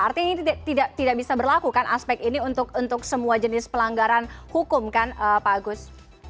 artinya ini tidak bisa berlaku kan aspek ini untuk semua jenis pelanggaran hukum kan pak agus